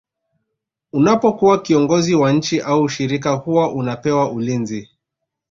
unapokuwa kiongozi wa nchi au shirika huwa unapewa ulinzi